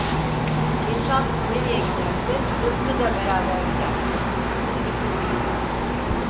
İnsan nereye giderse rızkı da beraber gidermiş; bunu düşündüğüm yok.